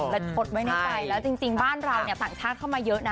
แล้วจริงบ้านเราเนี่ยต่างชาติเข้ามาเยอะนะ